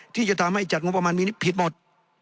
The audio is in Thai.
ที่จะทำให้จัดงบประมาณมีนี้ผิดหมด